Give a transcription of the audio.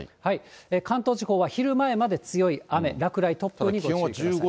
関東地方は昼前まで強い雨、落雷、突風にご注意ください。